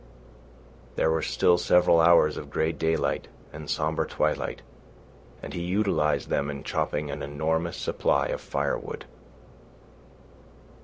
There were still several hours of grey daylight and sombre twilight, and he utilised them in chopping an enormous supply of fire wood.